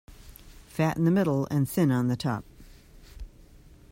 Fat in the middle and thin on the top.